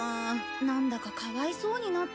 なんだかかわいそうになってきた。